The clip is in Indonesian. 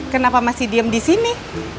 kenapa masih diem di sini